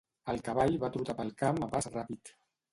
El cavall va trotar pel camp a pas ràpid.